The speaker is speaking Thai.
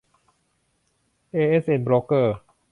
เอเอสเอ็น โบรกเกอร์